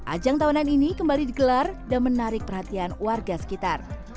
ajaan tahunan ini kembali digelar dan menarik perhatian warga sekitar